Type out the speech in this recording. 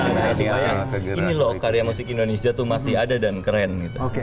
supaya ini loh karya musik indonesia tuh masih ada dan keren gitu